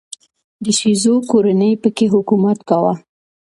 د شیزو کورنۍ په کې حکومت کاوه.